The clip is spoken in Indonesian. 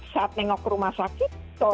saat menengok rumah sakit